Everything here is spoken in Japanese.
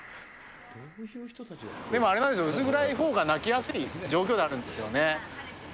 でもあれなんですよ、薄暗いほうが泣きやすい状況ではあるんですよね。